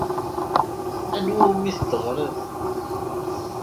Anwa umi d-teɣriḍ?